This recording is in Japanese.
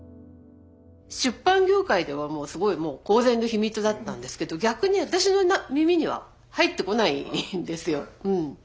出版業界ではすごいもう公然の秘密だったんですけど逆に私の耳には入ってこないんですよ。